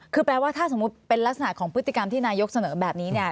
คือแปลว่าถ้าสมมุติเป็นลักษณะของพฤติกรรมที่นายกเสนอแบบนี้เนี่ย